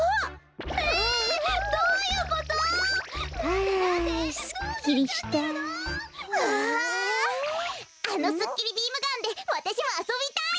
あのすっきりビームガンでわたしもあそびたい！